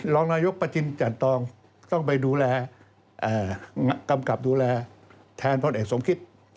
รองนายกประจินจันตองต้องไปดูแลกำกับดูแลแทนพลเอกสมคิต